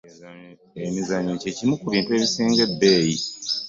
Emizannyo kye kimu ku bintu ebisinga ebbeeyi.